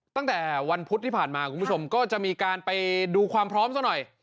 ตั้งแต่วันพุธที่ผ่านมาคุณผู้ชมก็จะมีการไปดูความพร้อมซะหน่อย